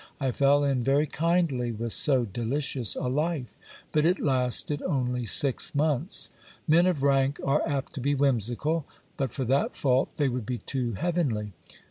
I fell in very kindly with so delicious a life ; but it lasted only six months. Men of rank are apt to be whimsical ; but for that fault, they would be too heavenly.